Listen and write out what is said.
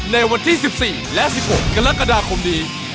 ในวันที่๑๔และ๑๖กรกฎาคมนี้